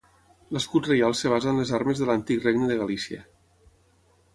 L'escut reial es basa en les armes de l'antic Regne de Galícia.